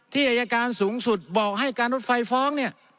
อายการสูงสุดบอกให้การรถไฟฟ้องเนี่ย